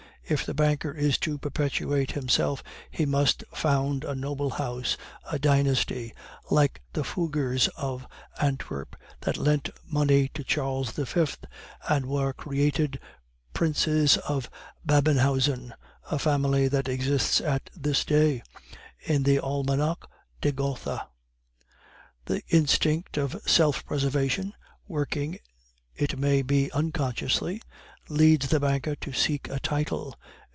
If the banker is to perpetuate himself, he must found a noble house, a dynasty; like the Fuggers of Antwerp, that lent money to Charles V. and were created Princes of Babenhausen, a family that exists at this day in the Almanach de Gotha. The instinct of self preservation, working it may be unconsciously, leads the banker to seek a title.